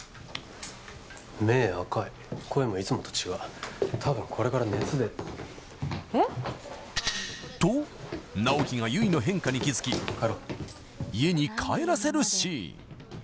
目赤い声もいつもと違うたぶんこれから熱出るえっ？と直木が悠依の変化に気づき帰ろう家に帰らせるシーン